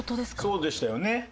そうでしたよね？